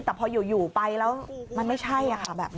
แต่พออยู่ไปแล้วมันไม่ใช่ค่ะแบบนี้